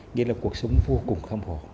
nghĩa là cuộc sống vô cùng khâm hồ